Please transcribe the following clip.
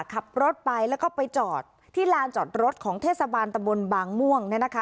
ขับรถไปแล้วก็ไปจอดที่ลานจอดรถของเทศบาลตะบนบางม่วงเนี่ยนะคะ